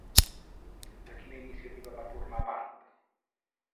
De quina iniciativa va formar part?